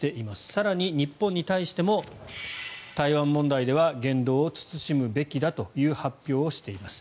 更に、日本に対しても台湾問題では言動を慎むべきだという発表をしています。